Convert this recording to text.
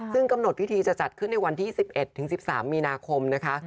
ซึ่งกำหนดพิธีจะจัดขึ้นในวันที่๑๑๑๓มีนาคมนะคะ